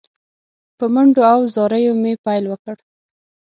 په منډو او زاریو مې پیل وکړ.